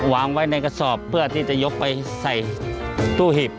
วางไว้ในกระสอบเพื่อที่จะยกไปใส่ตู้หีบ